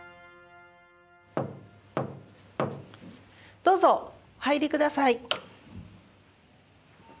どうぞお入りください。